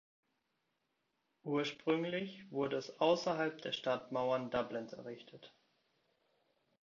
Ursprünglich wurde es außerhalb der Stadtmauern Dublins errichtet.